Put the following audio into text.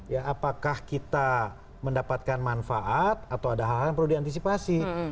ya apakah kita mendapatkan manfaat atau ada hal hal yang perlu diantisipasi